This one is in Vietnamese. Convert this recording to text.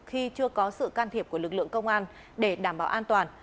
khi chưa có sự can thiệp của lực lượng công an để đảm bảo an toàn